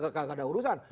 enggak ada urusan